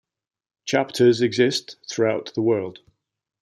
Chapters exist throughout the world.